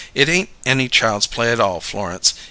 "It ain't any child's play at all, Florence.